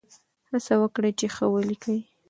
هڅه وکړئ چې ښه ولیکئ.